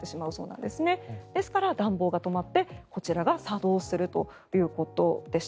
ですから暖房が止まってこちらが作動するということでした。